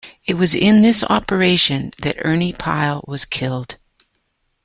It was in this operation that Ernie Pyle was killed.